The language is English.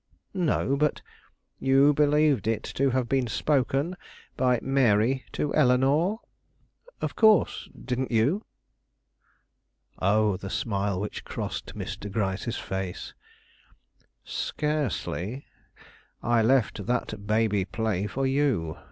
"No, but " "You believed it to have been spoken by Mary to Eleanore?" "Of course; didn't you?" Oh, the smile which crossed Mr. Gryce's face! "Scarcely. I left that baby play for you.